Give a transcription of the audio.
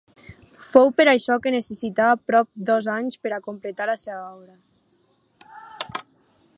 Fou per això que necessità prop dos anys per a completar la seva obra.